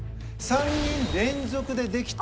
３人連続でできたら。